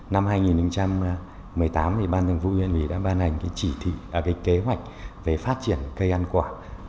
năm hai nghìn một mươi tám ủy ban dân vụ huyện ủy đã ban hành cái kế hoạch về phát triển cây ăn quả